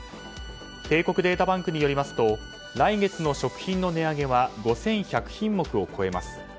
帝国データバンクによりますと来月の食品の値上げは５１００品目を超えます。